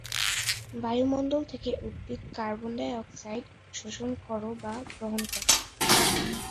বায়ুমণ্ডল থেকে উদ্ভিদ কার্বন ডাই অক্সাইড শোষণ কর বা গ্রহণ করে।